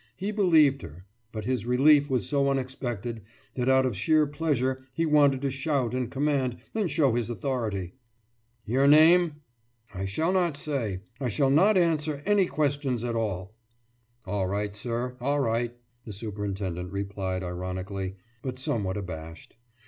He believed her; but his relief was so unexpected that out of sheer pleasure he wanted to shout and command and show his authority. »Your name?« »I shall not say. I shall not answer any questions at all.« »All right, sir, all right,« the superintendent replied ironically, but somewhat abashed.